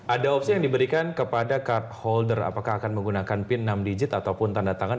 ada opsi yang diberikan kepada card holder apakah akan menggunakan pin enam digit ataupun tanda tangan